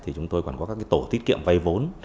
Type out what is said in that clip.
thì chúng tôi còn có các tổ tiết kiệm vay vốn